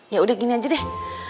ya udah gini aja deh